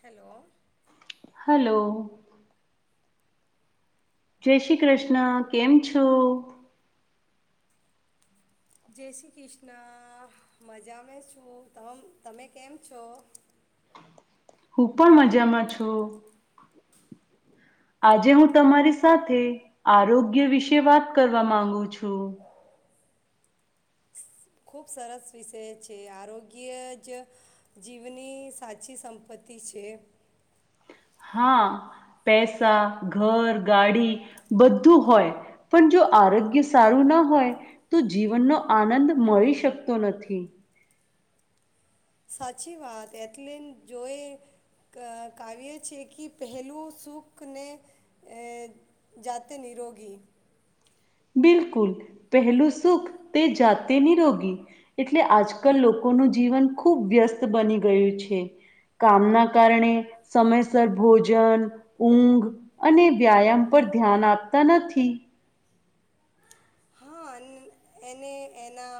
Hello. Hello. જય શ્રી કૃષ્ણ. કેમ છો? જય શ્રી કૃષ્ણ. મજામાં છું. તમ તમે કેમ છો? હું પણ મજામાં છું. આજે હું તમારી સાથે આરોગ્ય વિશે વાત કરવા માંગુ છું. ખૂબ સરસ વિષય છે. આરોગ્ય જ જીવની સાચી સંપત્તિ છે. હા. પૈસા, ઘર, ગાડી બધું હોય, પણ જો આરોગ્ય સારું ના હોય, તો જીવનનો આનંદ મળી શકતો નથી. સાચી વાત. એટલન જોઈ ક કાવ્ય છે કિ પહેલું સુખને અહ જાતે નિરોગી બિલકુલ. પહેલું સુખ તે જાતે નિરોગી. એટલે આજકલ લોકોનું જીવન ખૂબ વ્યસ્ત બની ગયું છે. કામના કારણે સમયસર ભોજન, ઊંઘ અને વ્યાયામ પર ધ્યાન આપતા નથી. હા. એને એના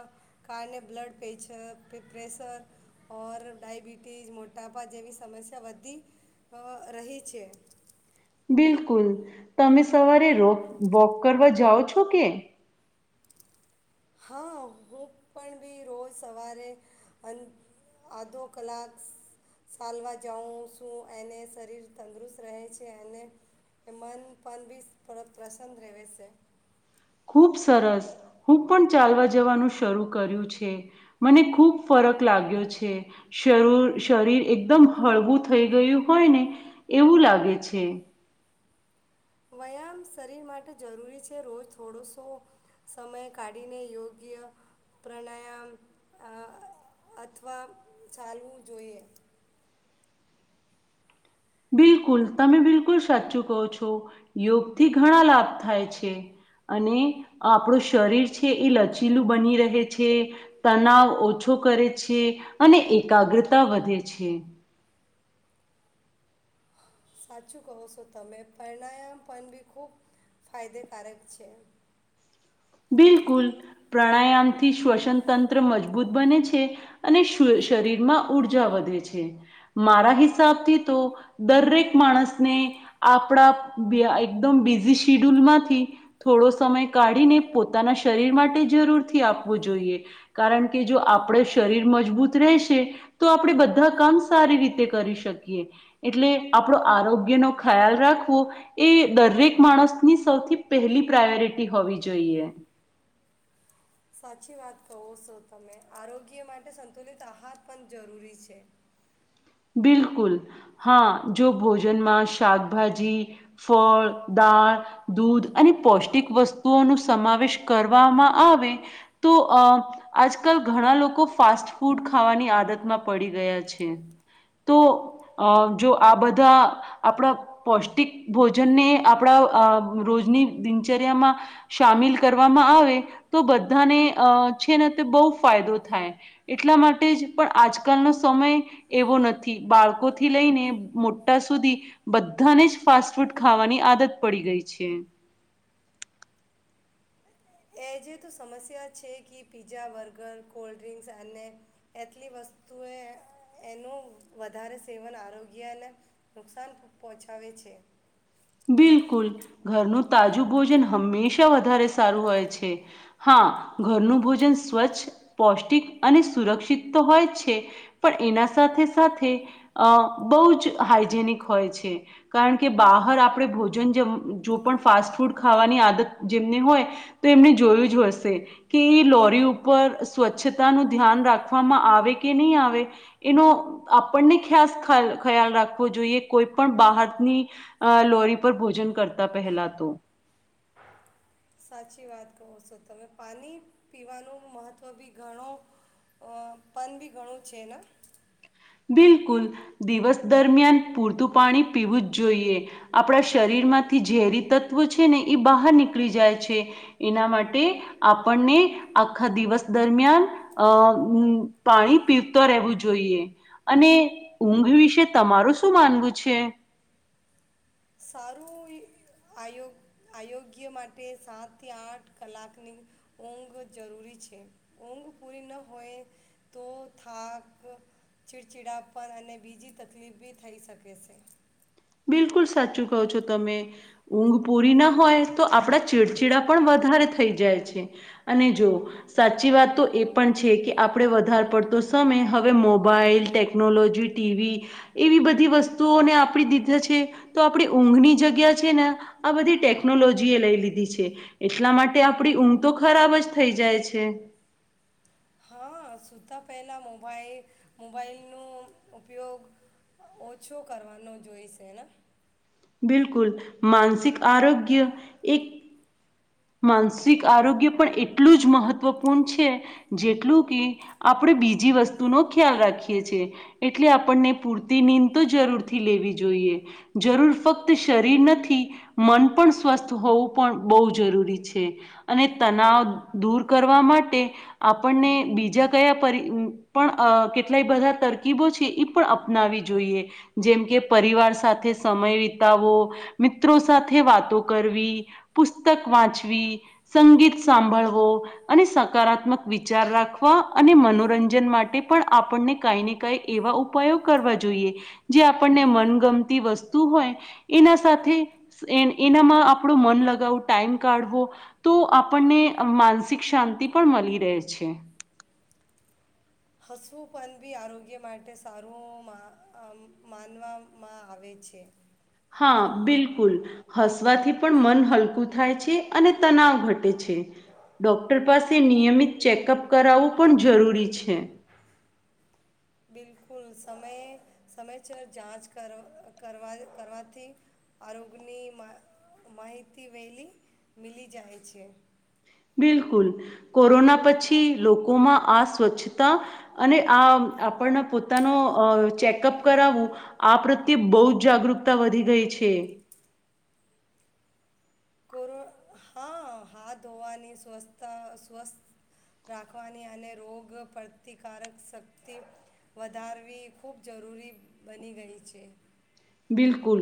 કારણે બ્લડ પેચર પે પ્રેશર, ઔર ડાયબિટીસ, મોટાપા જેવી સમસ્યા વધી રહી છે. બિલકુલ. તમે સવારે રોક વોક કરવા જાઓ છો કે? હા, હું પણ બી રોજ સવારે અન આધો કલાક સાલવા જાઉં સું, એને શરીર તંદુરસ્ત રહે છે, અને મન પણ બી થોડોક પ્રસન્ન રેવે સે. ખૂબ સરસ. હું પણ ચાલવા જવાનું શરૂ કર્યું છે. મને ખૂબ ફરક લાગ્યો છે. શરૂ શરીર એકદમ હળવું થઈ ગયું હોય ને એવું લાગે છે. વ્યાયામ શરીર માટે જરૂરી છે. રોજ થોડો સો સમય કાઢીને યોગ્ય પ્રાણાયામ અહ અથવા ચાલવું જોઈએ. બિલકુલ. તમે બિલકુલ સાચું કહો છો. યોગથી ઘણા લાભ થાય છે, અને આપણું શરીર છે એ લચીલું બની રહે છે, તનાવ ઓછો કરે છે અને એકાગ્રતા વધે છે. સાચું કહો સો તમે. પ્રણાયામ પણ બી ખૂબ ફાયદેકારક છે. બિલકુલ. પ્રાણાયામથી શ્વસન તંત્ર મજબૂત બને છે, અને શુ શરીરમાં ઊર્જા વધે છે. મારા હિસાબથી તો દરેક માણસને આપણા એકદમ બિઝી શિડ્યુલમાંથી થોડો સમય કાઢીને પોતાના શરીર માટે જરૂરથી આપવું જોઈએ, કારણ કે જો આપડ શરીર મજબૂત રહેશે, તો આપણે બધા કામ સારી રીતે કરી શકીએ. એટલે આપણો આરોગ્યનો ખ્યાલ રાખવો એ દરેક માણસની સૌથી પહેલી પ્રાયોરિટી હોવી જ જોઈએ. સાચી વાત કહો છો તમે. આરોગ્ય માટે સંતુલિત આહાર પણ જરૂરી છે. બિલકુલ હા. જો ભોજનમાં શાકભાજી, ફળ, દાળ, દૂધ અને પૌષ્ટિક વસ્તુઓ ન સમાવેશ કરવામાં આવે, તો અહ આજકાલ ઘણા લોકો ફાસ્ટ ફૂડ ખાવાની આદતમાં પડી ગયા છે. તો અહ જો આ બધા આપડા પૌષ્ટિક ભોજનને આપડા અહ રોજની દિનચર્યામાં સામેલ કરવામાં આવે, તો બધાને અહ છે ને તે બહુ ફાયદો થાય. એટલા માટે જ પણ આજકાલનો સમય એવો નથી. બાળકોથી લઈને મોટા સુધી, બધાને જ ફાસ્ટ ફૂડ ખાવાની આદત પડી ગઈ છે. એ જે તો સમસ્યા છે કે પીઝા, બર્ગર, કોલ્ડ ડ્રીક્સ અને એટલી વસ્તુએ એનું વધારે સેવન આરોગ્યને નુકસાન પહોંચાવે છે. બિલકુલ, ઘરનું તાજું ભોજન હંમેશા વધારે સારું હોય છે. હા, ઘરનું ભોજન સ્વચ્છ, પૌષ્ટિક અને સુરક્ષિત તો હોય જ છે, પણ એના સાથે સાથે અહ બહુ જ હાઈજેનિક હોય છે, કારણ કે બહાર આપ ડે ભોજન જો પણ ફાસ્ટ ફૂડ ખાવાની આદત જેમને હોય, તો એમને જોયું જ હશે કે એ લોરી ઉપર સ્વચ્છતાનું ધ્યાન રાખવામાં આવે કે નહીં આવે. એનો આપણને ખાસ ખયા ખ્યાલ રાખવો જોઈએ. કોઈ પણ બહારની અહ લોરી પર ભોજન કરતા પહેલા તો. સાચી વાત કહો છો તમે. પાણી પીવાનું મહત્ત્વ બી ઘણો અહ પણ બી ઘણું છે ના? બિલકુલ, દિવસ દરમિયાન પૂરતું પાણી પીવું જ જોઈએ. આપડા શરીરમાંથી ઝેરી તત્વો છે ને, એ બહાર નીકળી જાય છે. એના માટે આપણને આખા દિવસ દરમિયાન અહ અમ્મ પાણી પીવતો રહેવું જોઈએ. અને ઊંઘ વિશે તમારું શું માનવું છે? સારું આયોગ આયોગ્ય માટે સાતથી આઠ કલાકની ઊંઘ જરૂરી છે. ઊંઘ પૂરી ન હોય, તો થાક, ચિડચિડા પણ અને બીજી તકલીફ બી થઈ શકે છે. બિલકુલ, સાચું કહો છો તમે. ઊંઘ પૂરી ના હોય, તો આપડા ચીડચીડા પણ વધારે થઈ જાય છે. અને જો સાચી વાત, તો એ પણ છે કે આપડે વધારે પડતો સમય હવે મોબાઈલ, ટેકનોલોજી, ટી વી એવી બધી વસ્તુઓને આપડી દી દ છે તો આપડી ઊંઘની જગ્યા છે ને, આ બધી ટેકનોલોજી એ લઈ લીધી છે. એટલા માટે આપડી ઊંઘ તો ખરાબ જ થઈ જાય છે. હા, સૂતાં પહેલાં મોબાઈલ, મોબાઈલનો ઉપયોગ ઓછો કરવાનો જોઈશે ના. બિલકુલ, માનસિક આરોગ્ય એક માનસિક આરોગ્ય પણ એટલું જ મહત્વપૂર્ણ છે, જેટલું કે આપડે બીજી વસ્તુનો ખ્યાલ રાખીએ છે. એટલે આપણને પૂરતી નીંદ તો જરૂરથી લેવી જોઈએ. જરૂર, ફક્ત શરીર નથી, મન પણ સ્વસ્થ હોવું પણ બહુ જરૂરી છે. અને તનાવ દૂર કરવા માટે, આપણને બીજા કયા પર અહ પણ કેટલાય બધા તરકીબો છે, એ પણ અપનાવી જોઈએ. જેમ કે પરિવાર સાથે સમય વિતાવો, મિત્રો સાથે વાતો કરવી પુશ સ્તક વાચવી, સંગીત સાંભળવો અને સકારાત્મક વિચાર રાખવા અને મનોરંજન માટે પણ આપણને કાઈ ને કંઈ એવા ઉપાયો કરવા જોઈએ, જે આપણને મનગમતી વસ્તુ હોય એના સાથે, એનામાં આપણું મન લગાવુ ટાઈમ કાઢવો, તો આપણને માનસિક શાંતિ પણ મલી રહે છે. હસવું પણ બી આરોગ્ય માટે સારું માં અહ માનવામાં આવે છે. હા, આ બિલકુલ હસવાથી પણ મન હલકું થાય છે અને તનાવ ઘટે છે. ડોક્ટર પાસે નિયમિત ચેકઅપ કરાવવું પણ જરૂરી છે. બિલકુલ, સમયે સમયસર જાંચ કર કરવા કરવાથી આરોગ્યની મા માહિતી વહેલી મીલી જાય છે. બિલકુલ, કોરોના પછી લોકોમાં આ સ્વચ્છતા અને આ આપણને પોતાનો અહ ચેકઅપ કરાવવું, આ પ્રત્યે બહુ જ જાગૃતા વધી ગઈ છે. કોરો હા હાથ ધોવાની સ્વસ્થા સ્વસ્થ રાખવાની અને રોગ પ્રતિકારક શક્તિ વધારવી ખૂબ જરૂરી બની ગઈ છે બિલકુલ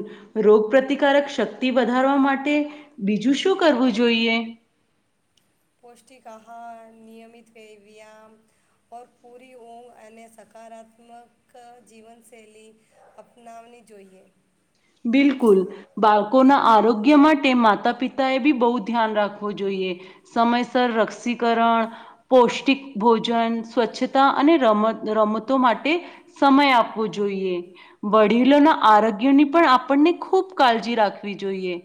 રોગ પ્ર્રતિકારક શક્તિ વધારવા માટે બીજું શું કરવું જોઈએ? પૌષ્ટિક આહાર નિયમિત વ્યાયામ ઓર પૂરી ઊંઘ અને સકારાત્મક જીવનશૈલી અપનાવવી જોઈએ. બિલકુલ બાળકોના આરોગ્ય માટે માતા પિતાએ બી બહુ ધ્યાન રાખવું જોઈએ સમયસર રસીકરણ, પૌષ્ટિક ભોજન, સ્વચ્છતા અને રમત રમતો માટે સમય આપવો જોઈએ. વડીલોના આરોગ્યની પણ આપણને ખૂબ કાળજી રાખવી જોઈએ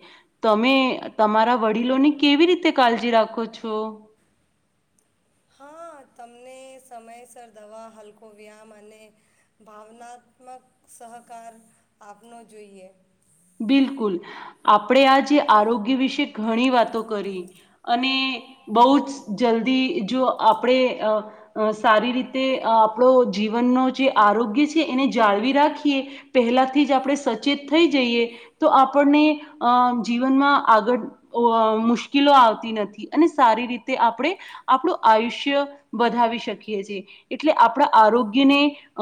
તમે તમારા વડીલોની કેવી રીતે કાળજી રાખો છો? હા તમને સમયસર દવા હલકો વ્યાયામ અને ભાવનાત્મક સહકાર આપનો જોઈએ. બિલકુલ આપણે આ જે આરોગ્ય વિશે ઘણી વાતો કરી અને બઉ જ જલ્દી જો આપણે અ સારી રીતે આપણો જીવનનો જે આરોગ્ય છે એને જાળવી રાખીએ પહેલાથી જ આપણે સચેત થઈ જઈએ તો આપણને અ જીવનમાં આગળ અ મુશ્કેલો આવતી નથી અને સારી રીતે આપણે આપણું આયુષ્ય વધાવી શકીએ છે એટલે આપણા આરોગ્યને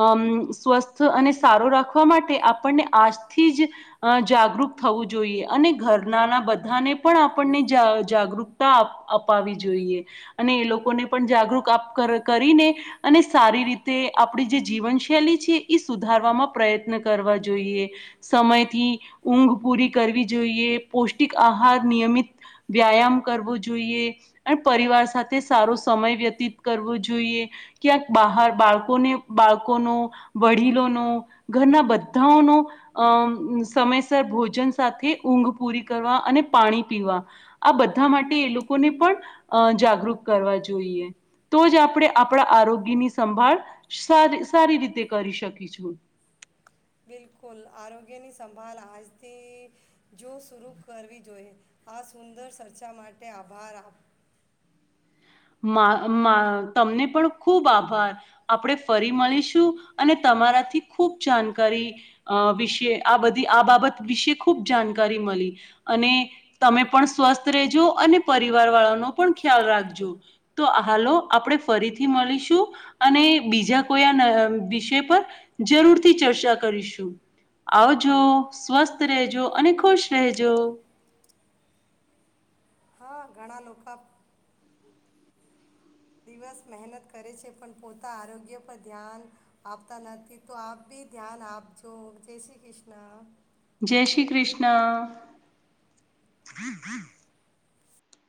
અમ સ્વસ્થ અને સારો રાખવા માટે આપણને આજથી જ જાગૃત થવું જોઈએ અને ઘરનાના બધાને પણ આપણને જા જાગૃકતા આપ અપાવી જોઈએ અને એ લોકોને પણ જાગૃત આપ કરીને અને સારી રીતે આપણી જે જીવનશૈલી છે એ સુધારવામાં પ્રયત્ન કરવા જોઈએ સમયથી ઉંગ પૂરી કરવી જોઈએ પૌષ્ટિક આહાર નિયમિત વ્યાયામ કરવો જોઈએ અને પરિવાર સાથે સારો સમય વ્યતીત કરવો જોઈએ ક્યાંક બહાર બાળકોને બાળકોનો વડીલોનો ઘરના બધાઓનો અ સમયસર ભોજન સાથે ઊંઘ પૂરી કરવા અને પાણી પીવા આ બધા માટે એ લોકોને પણ અ જાગૃત કરવા જોઈએ તો જ આપણે આપણે બિલ આપણા આરોગ્ય ની સંભાળ સારી સારી રીતે કરી શકીશું. બિલકુલ આરોગ્યની સંભાળ આજથી જો શુરૂ કરવી જોઈએ આ સુંદર ચર્ચા માટે આભાર આપ મા માં તમને પણ ખુબ આભાર આપણે ફરી મળીશું અને તમારાથી ખુબ જાણકારી અ વિશે આ બધી આ બાબત વિશે ખુબ જાણકારી મળી અને તમે પણ સ્વસ્થ રહેજો અને પરિવારવાળાનો પણ ખ્યાલ રાખજો. તો હાલો આપણે ફરીથી મળીશું અને બીજા કોઈ આ વિષય પર જરૂરથી ચર્ચા કરીશું આવજો સ્વસ્થ રેજો અને ખુશ રહેજો. હ ઘણા લોકા દિવસ મહેનત કરે છે પણ પોતા આરોગ્ય પર ધ્યાન આપતા નથી તો આપ બી ધ્યાન આપજો જય શ્રી કૃષ્ણ. જય શ્રી કૃષ્ણ.